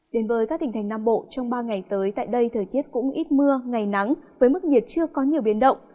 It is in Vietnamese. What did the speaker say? đến với các tỉnh thành nam bộ trong ba ngày tới tại đây thời tiết cũng ít mưa ngày nắng với mức nhiệt chưa có nhiều biến động